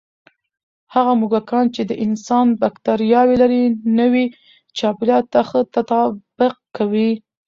هغه موږکان چې د انسان بکتریاوې لري، نوي چاپېریال ته ښه تطابق کوي.